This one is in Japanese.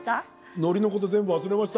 のりのこと全部忘れました。